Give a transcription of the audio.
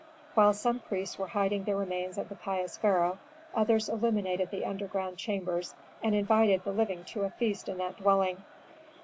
While some priests were hiding the remains of the pious pharaoh, others illuminated the underground chambers and invited the living to a feast in that dwelling.